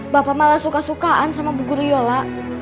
bapak malah suka sukaan sama bu guliyola